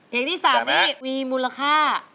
เพลงที่๓นี้มีมูลค่า